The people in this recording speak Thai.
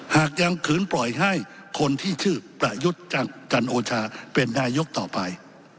หากยังขืนปล่อยให้คนที่ชื่อประยุทธ์จันโอชาเป็นนายกต่อไป